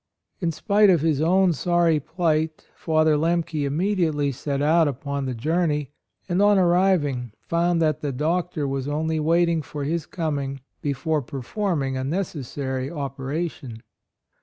In spite of his own sorry plight, Father Lemke im mediately set out upon the journey; and on arriving found that the doctor was only wait ing for his coming before per forming a necessary operation.